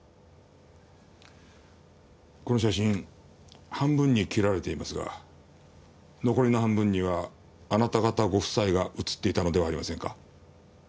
この写真半分に切られていますが残りの半分にはあなた方ご夫妻が写っていたのではありませんか？